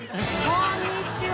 こんにちは。